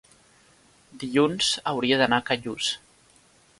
dilluns hauria d'anar a Callús.